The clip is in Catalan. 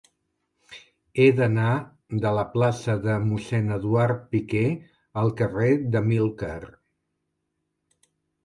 He d'anar de la plaça de Mossèn Eduard Piquer al carrer d'Amílcar.